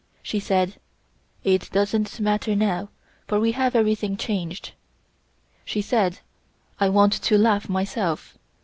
She said: "It doesn't matter now, for we have everything changed." She said: "I want to laugh myself.